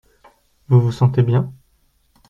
Vous vous sentez bien ?